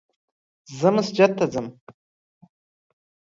زه مسجد ته ځم